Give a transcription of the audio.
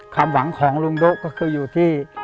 ความหวังของลุงโด๊ะก็คืออยู่ที่